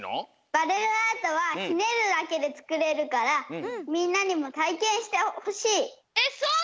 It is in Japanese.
バルーンアートはひねるだけでつくれるからみんなにもたいけんしてほしい。